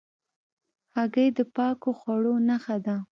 هګۍ د پاکو خواړو نښه ده.